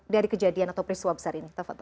dari kejadian atau peristiwa besar ini